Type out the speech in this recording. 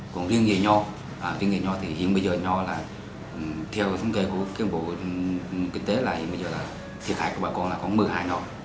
còn riêng về nho thì hiện bây giờ nho là theo thống kê của cái vụ kinh tế là hiện bây giờ là cái cây hành của bà con là có một mươi hai hà nho